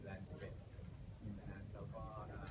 ก็จริงเรานั้นสองคนก็อยากไป